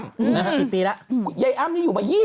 นะครับปีแล้วคือยายอ้ำนี่อยู่มา๒๓ปี